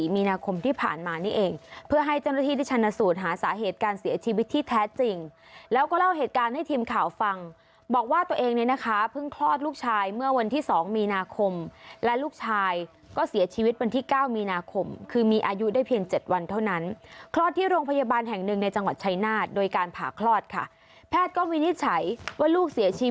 มีนาคมที่ผ่านมานี่เองเพื่อให้เจ้าหน้าที่ได้ชนะสูญหาสาเหตุการณ์เสียชีวิตที่แท้จริงแล้วก็เล่าเหตุการณ์ให้ทีมข่าวฟังบอกว่าตัวเองเนี่ยนะคะเพิ่งคลอดลูกชายเมื่อวันที่๒มีนาคมและลูกชายก็เสียชีวิตวันที่๙มีนาคมคือมีอายุได้เพียง๗วันเท่านั้นคลอดที่โรงพยาบาลแห่งหนึ่งในจังห